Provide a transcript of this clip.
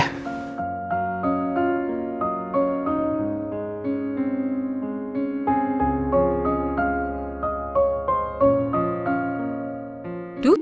sampai jumpa lagi